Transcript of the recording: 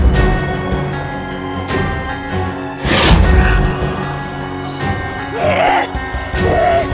segar terbentuk oleh casey hartman